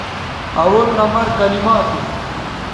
اول نمبر کلما تھو